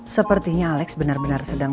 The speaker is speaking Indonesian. sepertinya alex benar benar sedang